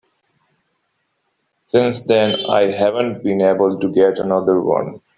Since then I haven't been able to get another one.